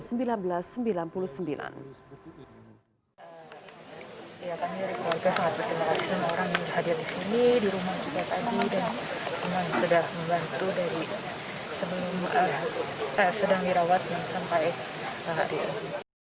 semua orang yang hadir di sini di rumah kita tadi dan semua yang sudah membantu dari sebelum sedang dirawat sampai hari ini